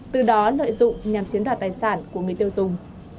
từ đó lợi dụng nhằm chiếm đoạt tài sản của người tiêu dùng